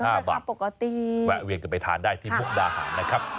ก็เป็นค่าปกติแวะเวียนกันไปทานได้ที่มุมดาหารนะครับ